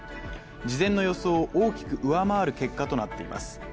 事前の予想を大きく上回る結果となっています